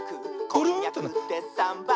「こんにゃくでサンバ！」